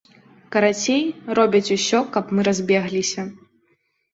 Карацей, робяць усё, каб мы разбегліся.